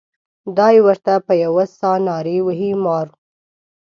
دای ورته په یوه ساه نارې وهي مارو.